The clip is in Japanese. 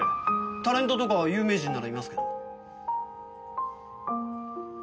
タレントとか有名人ならいますけど。